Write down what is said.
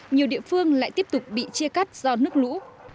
nhiều địa phương lại tiếp tục bị chia cắt do nước lũ